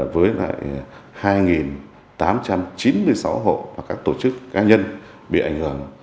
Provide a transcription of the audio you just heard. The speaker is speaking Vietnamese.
với hai tám trăm chín mươi sáu hộ và các tổ chức cá nhân bị ảnh hưởng